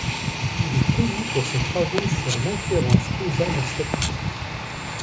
Il est connu pour ses travaux sur l'inférence causale en statistique.